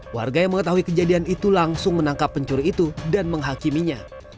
warga yang mengetahui kejadian itu langsung menangkap pencuri itu dan menghakiminya